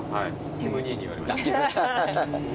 キム兄に言われました。